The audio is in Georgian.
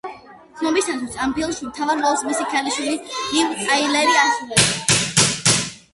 ცნობისათვის ამ ფილმში მთავარ როლს მისი ქალიშვილი ლივ ტაილერი ასრულებს.